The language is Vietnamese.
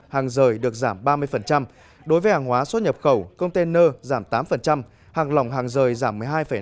hàng rời được giảm ba mươi đối với hàng hóa xuất nhập khẩu công tên nơ giảm tám hàng lỏng hàng rời giảm một mươi hai năm